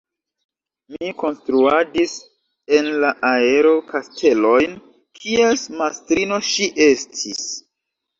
Mi konstruadis en la aero kastelojn, kies mastrino ŝi estis.